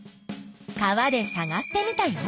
川でさがしてみたよ。